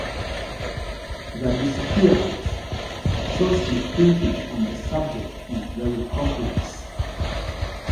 "The Disappearance" shows his thinking on the subject is very complex.